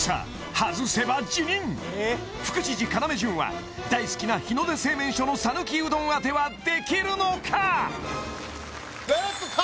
外せば辞任副知事・要潤は大好きな日の出製麺所の讃岐うどん当てはできるのか？